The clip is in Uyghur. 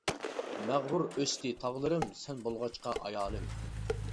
مەغرۇر ئۆستى تاغلىرىم، سەن بولغاچقا ئايالىم.